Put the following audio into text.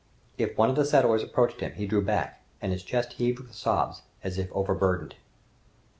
If one of the settlers approached him, he drew back, and his chest heaved with sobs, as if overburdened!